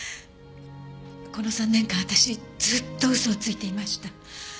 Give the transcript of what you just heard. この３年間わたしずっと嘘をついていました。